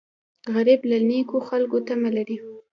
غریب له نیکو خلکو تمه لري